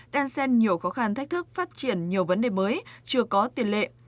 đang xen nhiều khó khăn thách thức phát triển nhiều vấn đề mới chưa có tiền lệ